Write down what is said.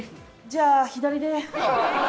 じゃあ左で。